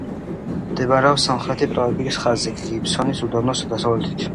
მდებარეობს სამხრეთი ტროპიკის ხაზზე, გიბსონის უდაბნოს დასავლეთით.